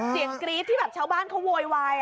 กรี๊ดที่แบบชาวบ้านเขาโวยวาย